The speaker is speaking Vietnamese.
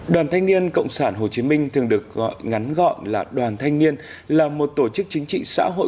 đoàn thanh niên cộng sản hồ chí minh thường được ngắn gọn là đoàn thanh niên là một tổ chức chính trị xã hội